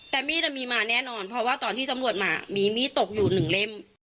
แต่มีดมีมาแน่นอนเพราะว่าตอนที่ตำรวจมามีมีดตกอยู่หนึ่งเล่ม